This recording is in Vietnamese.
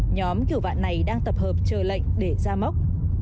nhóm kiểu vạn này đang tập hợp chờ lệnh để ra mốc